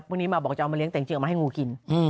วันนี้มาบอกจะเอามาเลี้ยงเต่งเจือกมาให้งูกิน